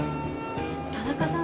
「田中さん